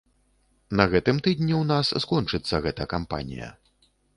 На гэтым тыдні у нас скончыцца гэта кампанія.